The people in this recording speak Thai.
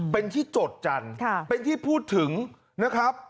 เป็นที่จดจันทร์เป็นที่พูดถึงนะครับ